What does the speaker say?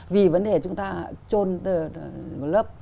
vì vấn đề chúng ta trôn lớp